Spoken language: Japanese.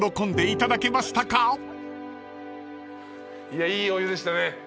いやいいお湯でしたね。